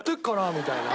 みたいな。